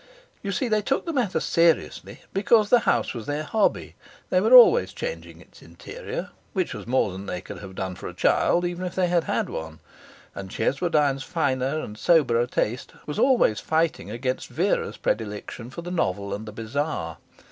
You see, they took the matter seriously because the house was their hobby; they were always changing its interior, which was more than they could have done for a child, even if they had had one; and Cheswardine's finer and soberer taste was always fighting against Vera's predilection for the novel and the bizarre.